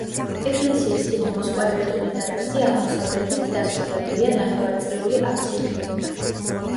ეკლესიის თითქმის კვადრატული დარბაზი აღმოსავლეთით დასრულებულია ნახევარწრიული აფსიდით.